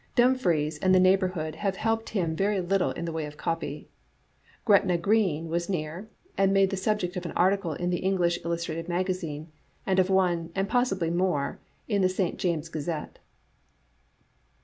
Dumfries and the neighborhood have helped him very little in the way of copy. Gretna Green was near, and made the subject of an article in the English Illustrated Magazine^ and of one, and possibly more, in the St James's Gazette.